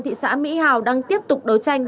thị xã mỹ hào đang tiếp tục đấu tranh